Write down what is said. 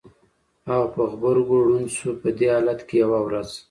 او په غبرګو ړوند شو! په دې حالت کې یوه ورځ